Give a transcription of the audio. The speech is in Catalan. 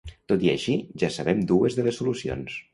Tot i així, ja sabem dues de les solucions.